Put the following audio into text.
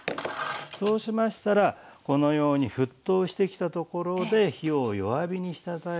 そうしましたらこのように沸騰してきたところで火を弱火にして頂いて。